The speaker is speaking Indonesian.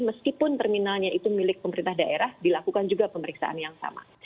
meskipun terminalnya itu milik pemerintah daerah dilakukan juga pemeriksaan yang sama